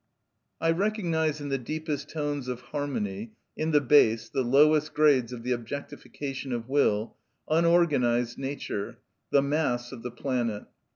I recognise in the deepest tones of harmony, in the bass, the lowest grades of the objectification of will, unorganised nature, the mass of the planet.